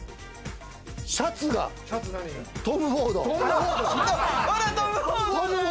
シャツがトム・フォード！